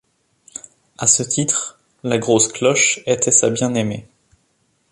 À ce titre, la grosse cloche était sa bien-aimée.